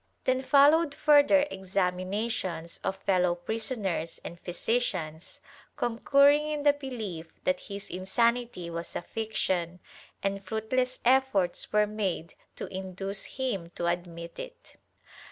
Then followed further examinations of fellow prisoners and phy sicians, concurring in the belief that his insanity was a fiction, and fruitless efforts were made to induce him to admit it.